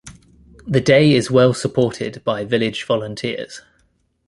The day is well supported by village volunteers.